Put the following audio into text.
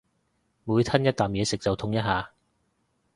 每吞一啖嘢食就痛一下